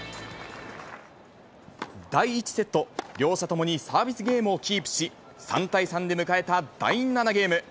第１セット、両者ともにサービスゲームをキープし、３対３で迎えた第７ゲーム。